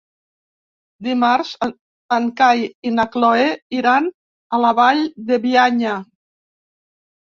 Dimarts en Cai i na Cloè iran a la Vall de Bianya.